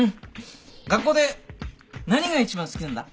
学校で何が一番好きなんだ？